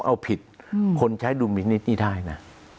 เอาผิดคนใช้ดุลมินิตนี่ได้นะ